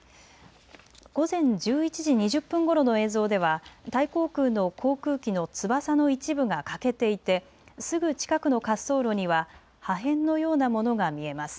午前１１時２０分ごろの映像ではタイ航空の航空機の翼の一部が欠けていてすぐ近くの滑走路には破片のようなものが見えます。